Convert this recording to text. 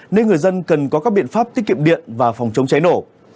nên người dân cần có các biện pháp tiết kiệm điện và phòng chống cháy nổ